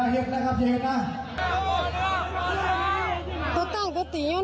เย็นนะคะเผยรัก